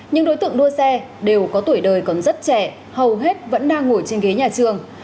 những đối tượng đua xe đều có tuổi đời còn rất trẻ hầu hết vẫn đang ngồi trên ghế nhà trường